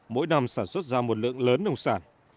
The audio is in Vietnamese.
mỗi năm sản xuất ra một lượng lớn nông sản